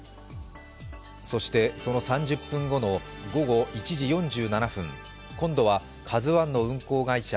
そして、その３０分後の午後１時４７分今度は「ＫＡＺＵⅠ」の運航会社